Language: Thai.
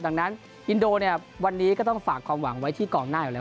ดังนั้นอินโดเนี่ยวันนี้ก็ต้องฝากความหวังไว้ที่กองหน้าอยู่แล้ว